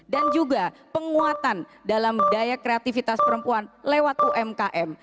dan juga penguatan dalam daya kreativitas perempuan lewat umkm